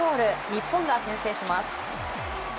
日本が先制します。